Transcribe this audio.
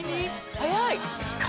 早い。